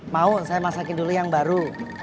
mau saya masakin dulu yang baru